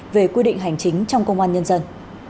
về quy định hành chính trong công an nhân dân